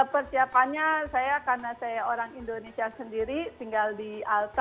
persiapannya saya karena saya orang indonesia sendiri tinggal di alter